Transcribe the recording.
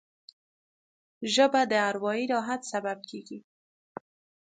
ژبه د اروايي راحت سبب کېږي